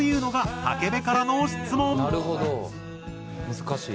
難しい。